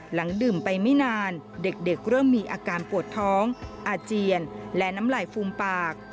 หลังดื่มไปไม่นานเด็กเริ่มมีอาการปวดท้องอาเจียนและน้ำไหลฟูมปาก